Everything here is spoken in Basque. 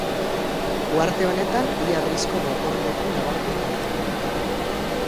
Uharte honetan bi harrizko gotorleku nabarmen daude.